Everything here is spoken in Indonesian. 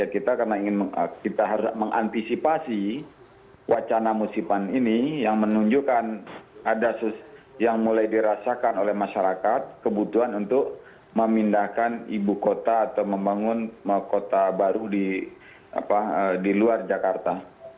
kita karena ingin kita harus mengantisipasi wacana musiman ini yang menunjukkan ada yang mulai dirasakan oleh masyarakat kebutuhan untuk memindahkan ibu kota atau membangun kota baru di luar jakarta